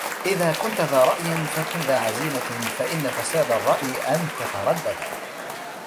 إذا كنتَ ذا رأىٍ فكن ذا عزيمة فإن فساد الرأي أن تترددا